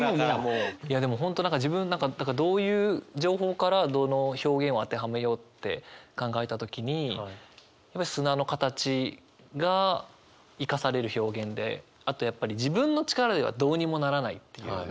いやでも本当何か自分何かどういう情報からどの表現を当てはめようって考えた時に砂の形が生かされる表現であとやっぱり自分の力ではどうにもならないっていう。